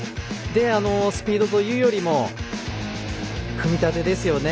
スピードというよりも組み立てですよね。